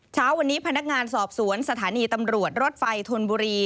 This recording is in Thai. เช้าวันนี้พนักงานสอบสวนสถานีตำรวจรถไฟธนบุรี